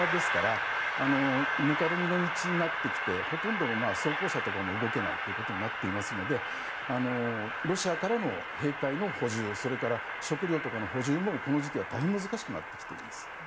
ぬかるみの道になってきてほとんど装甲車とかも動けなくなっていますのでロシアからの兵隊の補充、食料の補充はこの時期は大変難しくなってきています。